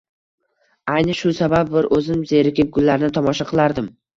Ayni shu sabab, bir o`zim zerikib gullarni tomosha qilardim